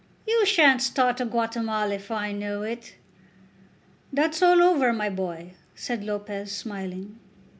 You shan't start to Guatemala if I know it." "That's all over, my boy," said Lopez, smiling.